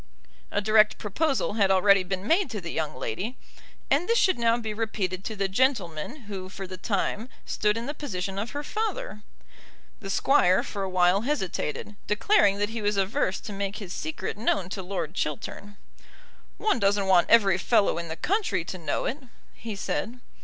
A direct proposal had already been made to the young lady, and this should now be repeated to the gentleman who for the time stood in the position of her father. The Squire for a while hesitated, declaring that he was averse to make his secret known to Lord Chiltern. "One doesn't want every fellow in the country to know it," he said.